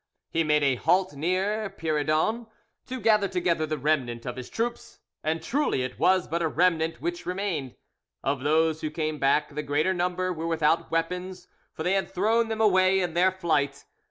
He made a halt near Pierredon to gather together the remnant of his troops, and truly it was but a remnant which remained. Of those who came back the greater number were without weapons, for they had thrown them away in their flight.